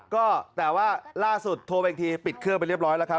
ก็แต่ว่าล่าสุดโทรไปอีกทีปิดเครื่องไปเรียบร้อยแล้วครับ